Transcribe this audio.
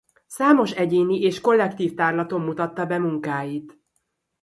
Számos egyéni és kollektív tárlaton mutatta be munkáit.